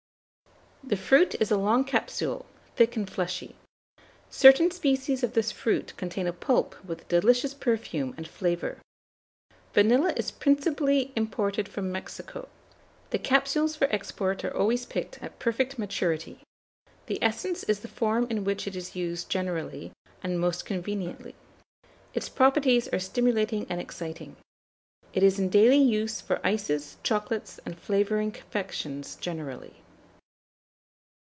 The fruit is a long capsule, thick and fleshy. Certain species of this fruit contain a pulp with a delicious perfume and flavour. Vanilla is principally imported from Mexico. The capsules for export are always picked at perfect maturity. The essence is the form in which it is used generally and most conveniently. Its properties are stimulating and exciting. It is in daily use for ices, chocolates, and flavouring confections generally.